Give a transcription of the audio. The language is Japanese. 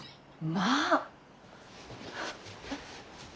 まあ。